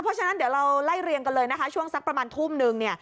เพราะฉะนั้นเดี๋ยวเราไล่เรียงกันเลยนะคะช่วงสักประมาณทุ่มนึงเนี่ย